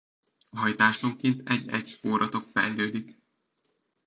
Hajtásonként egy-egy spóratok fejlődik.